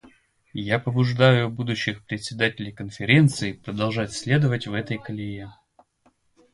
Я побуждаю будущих председателей Конференции продолжать следовать в этой колее.